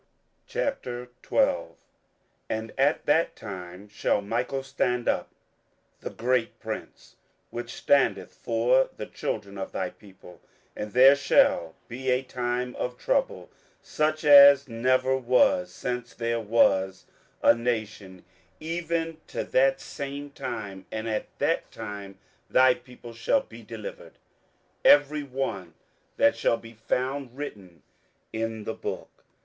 27:012:001 And at that time shall Michael stand up, the great prince which standeth for the children of thy people: and there shall be a time of trouble, such as never was since there was a nation even to that same time: and at that time thy people shall be delivered, every one that shall be found written in the book.